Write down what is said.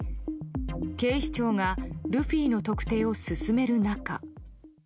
警視庁がルフィの特定を進める中。